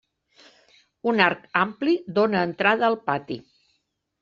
Un arc ampli dóna entrada al pati.